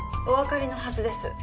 おわかりのはずです。